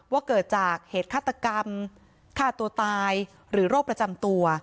ว่าเกิดจากเหตุฆาตกรรมฆ่าตัวตายหรือโรคประจำตัว